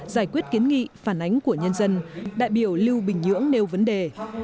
giải quyết kiến nghị phản ánh của nhân dân đại biểu lưu bình nhưỡng nêu vấn đề